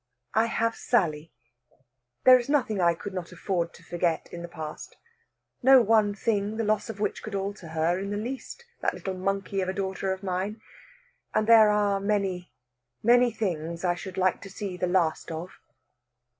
I have Sally. There is nothing I could not afford to forget in the past, no one thing the loss of which could alter her in the least, that little monkey of a daughter of mine! And there are many, many things I should like to see the last of."